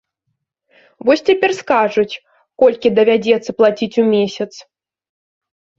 Вось цяпер скажуць, колькі давядзецца плаціць у месяц.